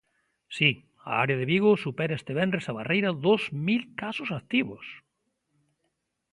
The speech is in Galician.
Si, a área de Vigo supera este venres a barreira dos mil casos activos.